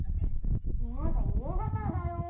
まだゆうがただよ。